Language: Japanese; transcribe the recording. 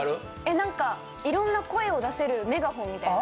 なんか、いろんな声を出せるメガホンみたいな？